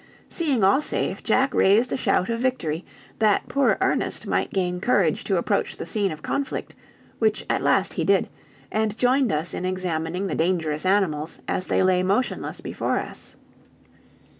Seeing all safe, Jack raised a shout of victory, that poor Ernest might gain courage to approach the scene of conflict, which at last he did, and joined us in examining the dangerous animals, as they lay motionless before us.